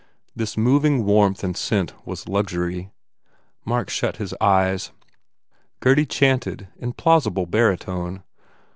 This moving warmth and scent was luxury. Mark shut his eyes. Gurdy chanted in plausible barytone.